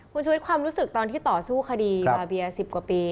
คุณชุวิตความรู้สึกตอนที่ต่อสู้คดีมาเบีย๑๐กว่าปี